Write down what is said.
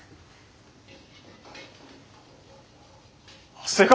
長谷川？